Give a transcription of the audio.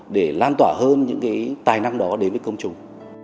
để lan tỏa hơn những cái tài năng đó đến với công chúng